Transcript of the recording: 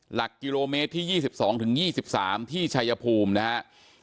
หลักกิโลเมตรที่๒๒๒๓ที่ชายภูมินะครับ